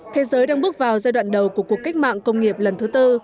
thế giới đang bước vào giai đoạn đầu của cuộc cách mạng công nghiệp lần thứ tư